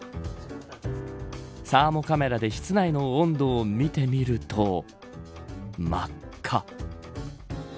サーモカメラで室内の温度を見てみると真っ赤。